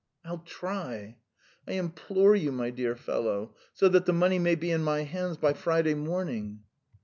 "I'll try." "I implore you, my dear fellow! So that the money may be in my hands by Friday morning!"